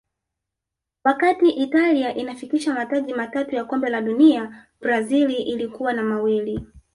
wakati italia inafikisha mataji matatu ya kombe la dunia brazil ilikuwa na mawili